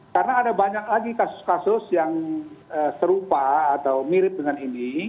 karena ada banyak lagi kasus kasus yang serupa atau mirip dengan ini